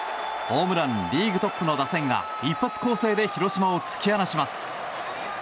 ホームランリーグトップの打線が一発攻勢で広島を突き放します。